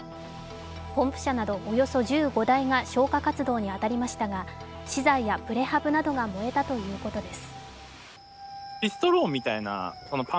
ポンプ車などおよそ１５台が消火活動に当たりましたが、資材やプレハブなどが燃えたということです。